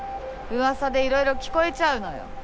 噂でいろいろ聞こえちゃうのよ。